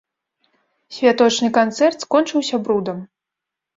Святочны канцэрт скончыўся брудам.